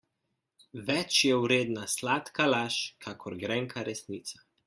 Več je vredna sladka laž kakor grenka resnica.